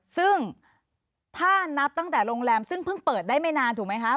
ซึ่งถ้านับตั้งแต่โรงแรมซึ่งเพิ่งเปิดได้ไม่นานถูกไหมคะ